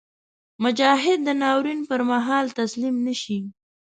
مجاهد د ناورین پر مهال تسلیم نهشي.